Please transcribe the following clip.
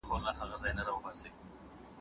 پخوانۍ بدمرغۍ بايد تکرار نه سي.